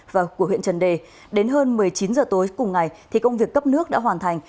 và của huyện trần đề đến hơn một mươi chín h tối cùng ngày thì công việc cấp nước đã hoàn thành